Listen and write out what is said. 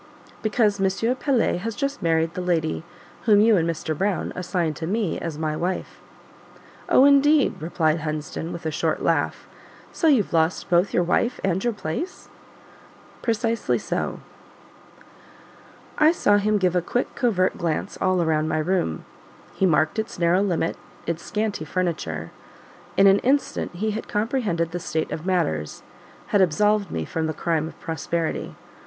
"Because M. Pelet has just married the lady whom you and Mr. Brown assigned to me as my wife." "Oh, indeed!" replied Hunsden with a short laugh; "so you've lost both your wife and your place?" "Precisely so." I saw him give a quick, covert glance all round my room; he marked its narrow limits, its scanty furniture: in an instant he had comprehended the state of matters had absolved me from the crime of prosperity.